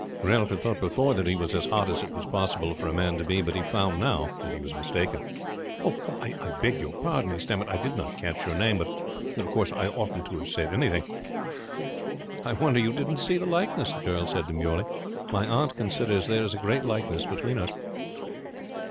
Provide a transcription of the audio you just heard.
Ralph had thought before that he was as hot as it was possible for a man to be; but he found now that he was mistaken. "I beg your pardon," he stammered. "I did not catch your name; but of course I oughtn't to have said anything." "I wonder you didn't see the likeness," the girl said demurely. "My aunt considers there is a great likeness between us."